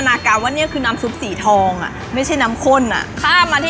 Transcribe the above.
เอาอย่างนี้ดีกว่าเดี๋ยวต้องให้แม่อะทำเมนูก๋วยจับมาให้